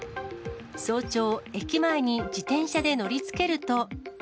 早朝、駅前に自転車で乗りつけると。